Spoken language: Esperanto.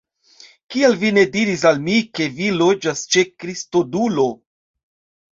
Kial vi ne diris al mi, ke vi loĝas ĉe Kristodulo?